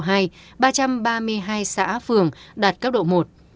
ba trăm ba mươi hai xã phường đạt cấp độ một